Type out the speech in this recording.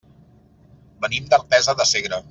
Venim d'Artesa de Segre.